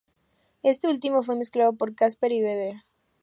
Este último fue mezclado por Kasper y Vedder.